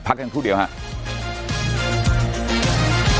พักทั้งครู่เดียวครับ